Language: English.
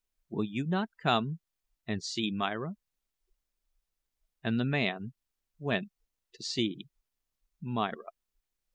Will you not come and see Myra?" And the man went to see Myra.